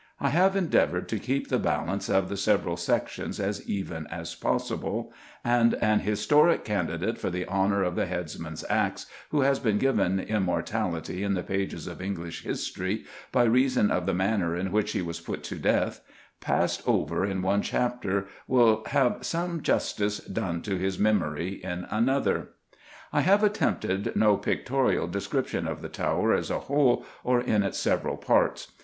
I have endeavoured to keep the balance of the several sections as even as possible; and an historic candidate for the honour of the headsman's axe, who has been given immortality in the pages of English history by reason of the manner in which he was put to death, passed over in one chapter will have some justice done to his memory in another. I have attempted no pictorial description of the Tower as a whole or in its several parts.